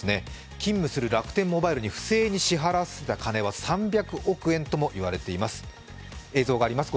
勤務する楽天モバイルに不正に支払わせた金は３００億円ともいわれています。